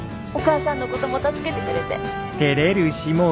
お母さんのことも助けてくれて。